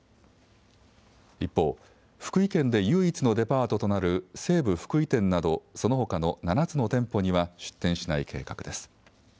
一方、福井県で唯一のデパートとなる西武福井店など、そのほかの７つの店舗には出店しない計画です。